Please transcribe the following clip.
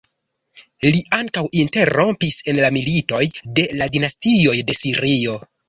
Li ankaŭ interrompis en la militoj de la dinastioj de Sirio.